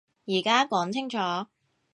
而家講清楚